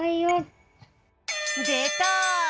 でた！